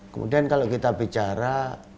kemudian kalau kita bicara